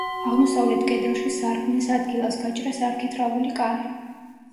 აღმოსავლეთ კედელში სარკმლის ადგილას გაჭრეს არქიტრავული კარი.